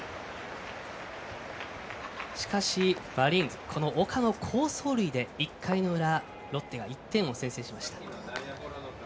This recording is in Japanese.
しかし、マリーンズこの岡の好走塁で１回の裏ロッテが１点を先制しました。